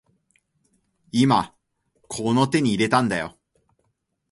今この手に入れたんだよ